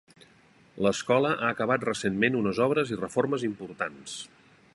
L'escola ha acabat recentment unes obres i reformes importants.